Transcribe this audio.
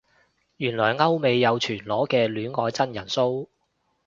原來歐美有全裸嘅戀愛真人騷